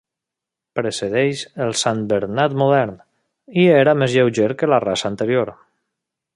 Precedeix el Santbernat modern, i era més lleuger que la raça anterior.